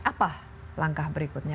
apa langkah berikutnya